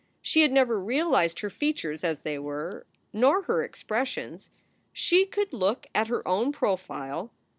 She had never realized her features as they were; nor her expressions. She could look at her own profile.